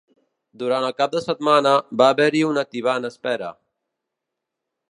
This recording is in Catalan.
Durant el cap de setmana, va haver-hi una tibant espera.